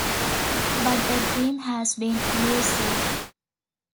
But that dream has been elusive.